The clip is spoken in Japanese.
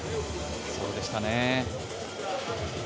そうでしたね。